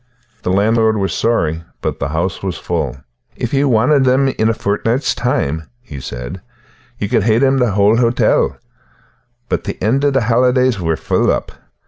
The landlord was sorry, but the house was full. "If ye wanted them in a fortnicht's time," he said, "ye could hae the hale hotel; but tae the end o' the holidays we're foll up.